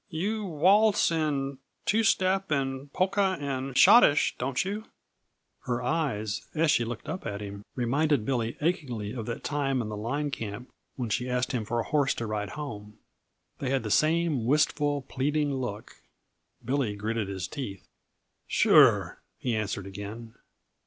"You waltz and two step and polka and schottische, don't you?" Her eyes, as she looked up at him, reminded Billy achingly of that time in the line camp when she asked him for a horse to ride home. They had the same wistful, pleading look. Billy gritted his teeth. "Sure," he answered again.